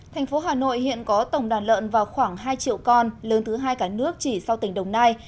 thành phố hà nội hiện có tổng đàn lợn vào khoảng hai triệu con lớn thứ hai cả nước chỉ sau tỉnh đồng nai